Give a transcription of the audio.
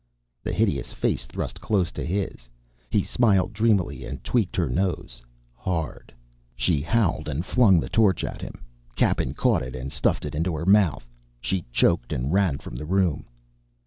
The hideous face thrust close to his. He smiled dreamily and tweaked her nose hard. She howled and flung the torch at him. Cappen caught it and stuffed it into her mouth. She choked and ran from the room.